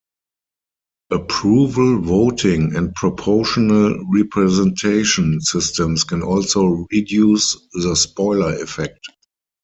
Approval voting and proportional representation systems can also reduce the spoiler effect.